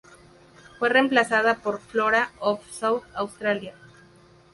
Fue reemplazada por "Flora of South Australia.